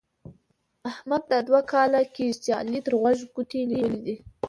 احمد دا دوه کاله کېږي چې علي تر خوږ ګوتې نيولې دی.